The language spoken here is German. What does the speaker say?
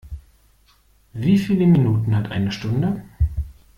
Wie viele Minuten hat eine Stunde?